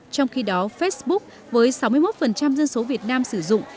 trong khi đó facebook với sáu mươi một dân số việt nam sử dụng